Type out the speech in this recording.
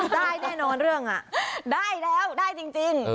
ได้แน่นอนเรื่องอ่ะได้แล้วได้จริง